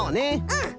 うん。